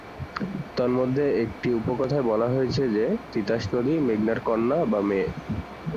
তন্মধ্যে একটি উপকথায় বলা হয়েছে যে, তিতাস নদী মেঘনার কন্যা বা মেয়ে।